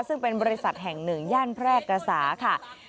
ซึ่งเป็นบริษัทแห่งหนึ่งย่านแพร่กษาค่ะ